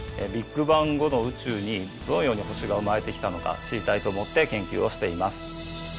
ビッグバン後の宇宙にどのように星が生まれてきたのか知りたいと思って研究をしています。